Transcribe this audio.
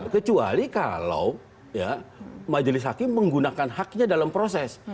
kecuali kalau majelis hakim menggunakan haknya dalam proses